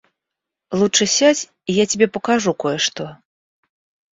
Лучше сядь, и я тебе покажу кое-что.